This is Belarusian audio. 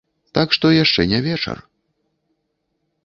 Так што яшчэ не вечар.